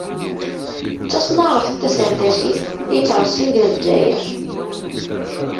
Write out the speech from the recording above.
D tasnareft taserdasit i yettreṣṣin deg Lezzayer.